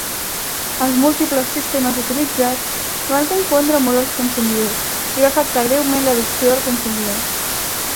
Els múltiples sistemes utilitzats van confondre molt els consumidors i va afectar greument l'adopció del consumidor.